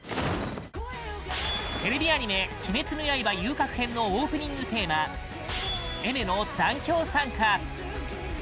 テレビアニメ「鬼滅の刃“遊郭編”」のオープニングテーマＡｉｍｅｒの「残響散歌」